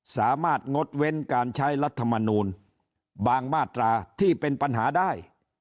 สามารถงดเว้นการใช้รัฐมนูลบางมาตราที่เป็นปัญหาได้